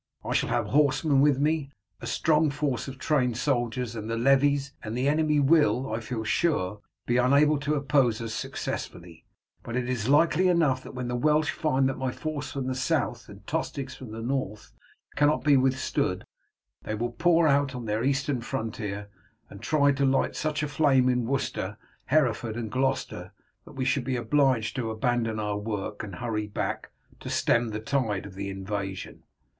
"I shall have horsemen with me, a strong force of trained soldiers and the levies, and the enemy will, I feel sure, be unable to oppose us successfully; but it is likely enough that when the Welsh find that my force from the south and Tostig's from the north cannot be withstood, they will pour out on their eastern frontier, and try to light such a flame in Worcester, Hereford, and Gloucester, that we should be obliged to abandon our work, and hurry back to stem the tide of their invasion.